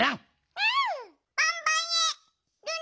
うん！